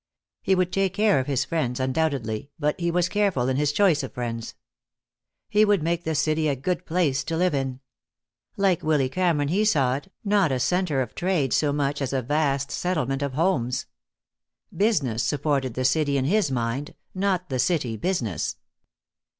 He would take care of his friends, undoubtedly, but he was careful in his choice of friends. He would make the city a good place to live in. Like Willy Cameron, he saw it, not a center of trade so much as a vast settlement of homes. Business supported the city in his mind, not the city business.